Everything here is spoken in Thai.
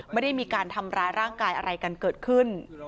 ไม่ได้มีการทำร้ายร่างกายอะไรกันเกิดขึ้น